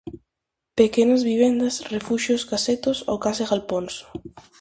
Pequenas vivendas, refuxios, casetos, ou case galpóns.